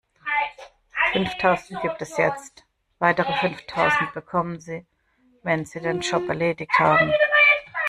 Fünftausend gibt es jetzt, weitere fünftausend bekommen Sie, wenn Sie den Job erledigt haben.